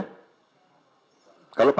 kalau pasal akhirnya enggak perlu disebutkan lagi ya